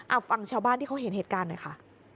เอาฟังชาวบ้านที่เขาเห็นเหตุการณ์หน่อยค่ะ